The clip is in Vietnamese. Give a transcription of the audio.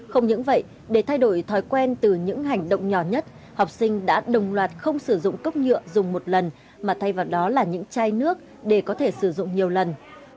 không những vậy để thay đổi thói quen từ những hành động nhỏ nhất học sinh đã đồng loạt không sử dụng cốc nhựa dùng một lần mà thay vào đó là những chai nước để có thể sử dụng nhiều lần